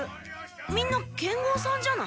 みんな剣豪さんじゃない？